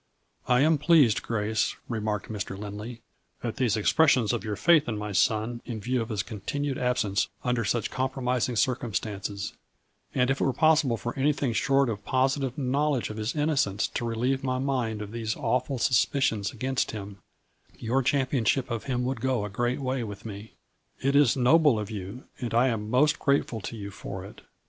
" I am pleased, Grace," remarked Mr. Lind ley, " at these expressions of your faith in my son, in view of his continued absence under such compromising circumstances, and if it were possible for anything short of positive knowl edge of his innocence to relieve my mind of these awful suspicions against him, your championship of him would go a great way with me. It is noble of you, and I am most grateful to you for it.